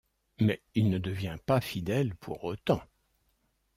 Mais il ne devient pas fidèle pour autant.